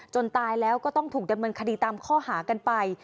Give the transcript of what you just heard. ตายแล้วก็ต้องถูกดำเนินคดีตามข้อหากันไป